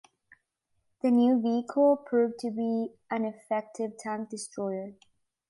The new vehicle proved to be an effective tank destroyer.